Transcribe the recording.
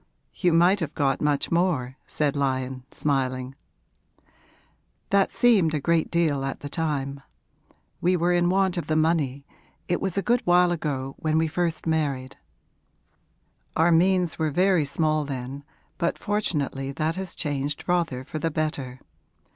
'You might have got much more,' said Lyon, smiling. 'That seemed a great deal at the time. We were in want of the money it was a good while ago, when we first married. Our means were very small then, but fortunately that has changed rather for the better.